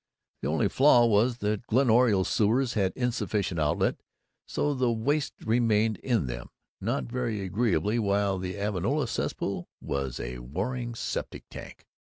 The only flaw was that the Glen Oriole sewers had insufficient outlet, so that waste remained in them, not very agreeably, while the Avonlea cesspool was a Waring septic tank.